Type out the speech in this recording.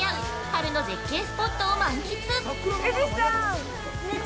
春の絶景スポットを満喫！